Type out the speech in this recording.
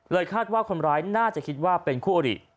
คาดว่าคนร้ายน่าจะคิดว่าเป็นคู่อริ